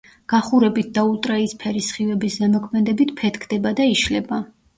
გახურებით და ულტრაიისფერი სხივების ზემოქმედებით ფეთქდება და იშლება.